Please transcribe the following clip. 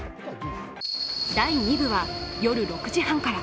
第２部は夜６時半から。